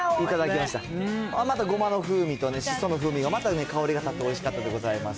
またごまの風味としその風味がまた香りが立って、おいしかったでございます。